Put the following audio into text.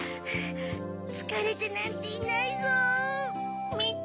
つかれてなんていないぞ！みて。